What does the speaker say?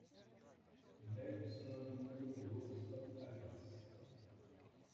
Même son amour, l'ourson Alice.